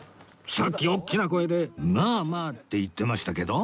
さっき大きな声で「まあまあ」って言ってましたけど？